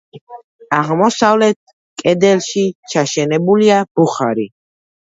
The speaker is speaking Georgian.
აღმოსავლეთ კედელში ჩაშენებულია ბუხარი.